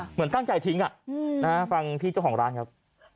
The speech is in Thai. เหมือนตั้งใจทิ้งฟังพี่เจ้าของร้านครับ